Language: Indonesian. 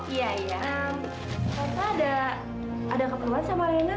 tante ada keperluan sama alena